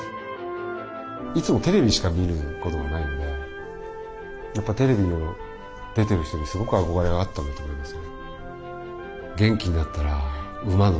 いつもテレビしか見ることがないのでやっぱテレビに出てる人にすごく憧れがあったんだと思いますね。